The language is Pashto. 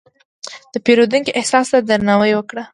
د پیرودونکي احساس ته درناوی وکړه.